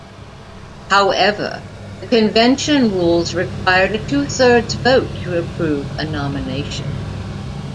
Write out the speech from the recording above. However, the convention rules required a two-thirds vote to approve a nomination.